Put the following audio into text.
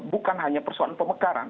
bukan hanya persoalan pemekaran